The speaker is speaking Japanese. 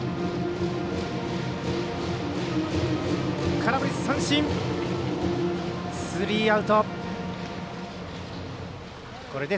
空振り三振スリーアウト。